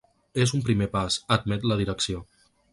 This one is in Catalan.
És un primer pas, admet la direcció.